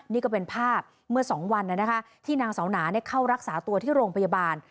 นี่ก็เป็นภาพเมื่อ๒วันที่นางเสาหนาเข้ารักษาตัวที่โรงพยาบาล